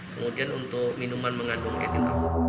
kemudian untuk minuman mengandung katine